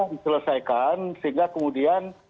diselesaikan sehingga kemudian